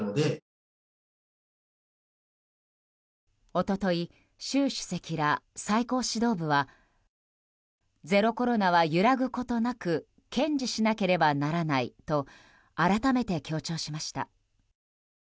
一昨日、習主席ら最高指導部はゼロコロナは揺らぐことなく堅持しなければならないと改めて強調しました。